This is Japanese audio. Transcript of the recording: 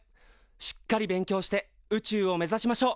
しっかり勉強して宇宙を目ざしましょう。